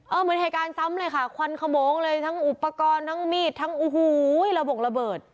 เหมือนเหตุการณ์ซ้ำเลยค่ะควันขโมงเลยทั้งอุปกรณ์ทั้งมีดทั้งโอ้โหระบงระเบิด